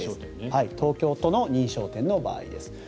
東京都の認証店の場合です。